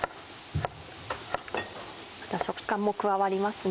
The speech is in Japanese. また食感も加わりますね。